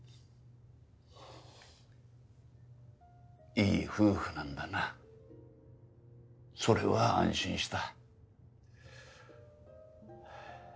いい夫婦なんだなそれは安心した。